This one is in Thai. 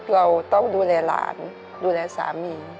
เราต้องดูแลหลานดูแลสามี